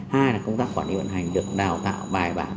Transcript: hai là công tác quản lý vận hành được đào tạo bài bản